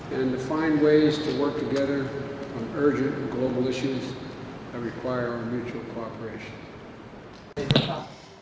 dan mencari cara untuk bekerja bersama tentang masalah global yang berharga dan memerlukan kooperasi antara kita